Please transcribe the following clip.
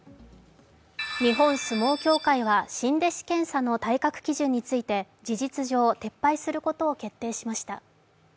日本相撲協会は新弟子検査の体格基準について事実上、撤廃することを決定しました。